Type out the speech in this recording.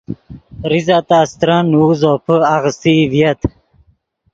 زیزہ تا استرن نوؤ زوپے آغیستئی ڤییت